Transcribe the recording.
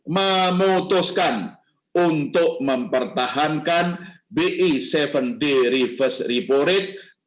memutuskan untuk mempertahankan bi tujuh d reverse report